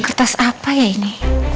kertas apa ya ini